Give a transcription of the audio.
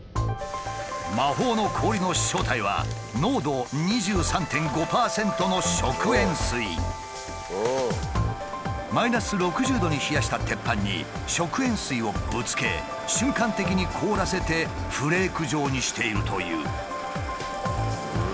魔法の氷の正体はマイナス６０℃に冷やした鉄板に食塩水をぶつけ瞬間的に凍らせてフレーク状にしているという。